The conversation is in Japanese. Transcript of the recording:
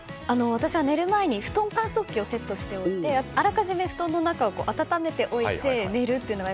私は寝る前に布団乾燥機をセットしておいてあらかじめ布団の中を暖めておいて寝るっていうのが。